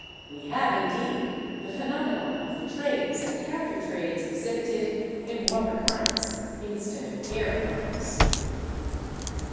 We have, indeed, the phenomena of the trades and counter trades exhibited in water currents instead of air currents.